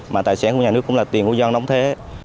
mà tài sản của nhà nước cũng là tiền của dân đóng thế